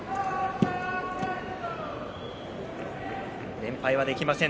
連敗はできません